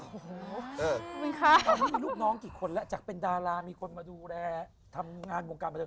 ตอนนี้มีลูกน้องกี่คนแล้วจากเป็นดารามีคนมาดูแลทำงานวงการมาเถอะ